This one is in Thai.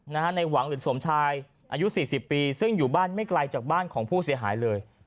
ในหวังหรือสมชายอายุ๔๐ปีซึ่งอยู่บ้านไม่ไกลจากบ้านของผู้เสียหายเลย